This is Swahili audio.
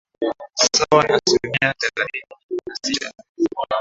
sawa na asilimia thelathini na sita